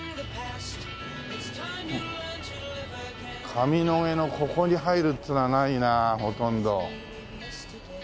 上野毛のここに入るっつうのはないなほとんど。